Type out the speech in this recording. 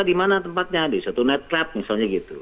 di mana tempatnya di satu nightclub misalnya gitu